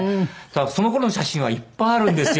その頃の写真はいっぱいあるんですよ。